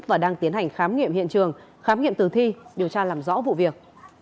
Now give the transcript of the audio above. và đang tiến hành khám nghiệm hiện trường khám nghiệm tử thi điều tra làm rõ vụ việc